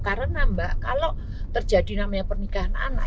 karena mbak kalau terjadi namanya pernikahan anak